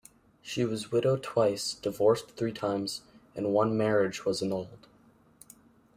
She was widowed twice, divorced three times, and one marriage was annulled.